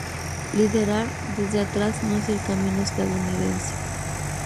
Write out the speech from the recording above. Liderar desde atrás no es el camino estadounidense.